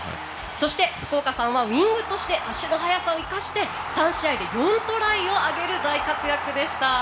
そして、福岡さんはウイングとして足の速さを生かして３試合で４トライを挙げる大活躍でした。